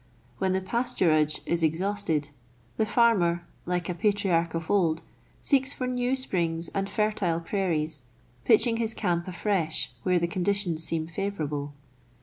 When the pasturage is exhausted, the farmer, like a patriarch of old, seeks for new springs and fertile prairies, pitching his camp afresh where the conditions seem favourable.